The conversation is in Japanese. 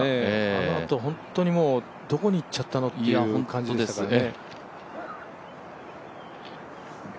あのあと本当にどこに行っちゃったのという感じでしたからね。